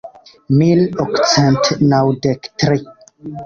Mil okcent naŭdek tri.